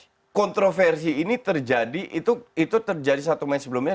ya kontroversi ini terjadi itu terjadi satu main sebelumnya